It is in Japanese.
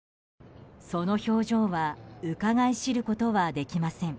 その表情はうかがい知ることはできません。